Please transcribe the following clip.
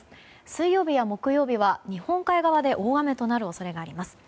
水曜日や木曜日は日本海側で大雨となる恐れがあります。